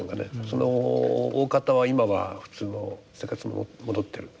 そのおおかたは今は普通の生活に戻ってる。